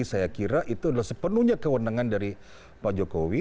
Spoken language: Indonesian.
saya kira itu adalah sepenuhnya kewenangan dari pak jokowi